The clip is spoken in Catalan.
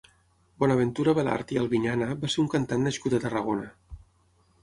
Bonaventura Belart i Albiñana va ser un cantant nascut a Tarragona.